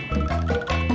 sampai jumpa lagi